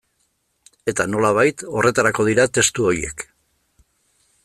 Eta, nolabait, horretarako dira testu horiek.